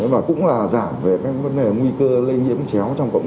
và cũng là giảm về các vấn đề nguy cơ lây nhiễm trẻ